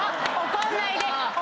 怒んないで！